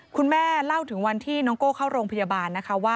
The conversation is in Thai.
คุณแม่เล่าถึงวันที่โน้งโก้เข้าโรงพยาบาล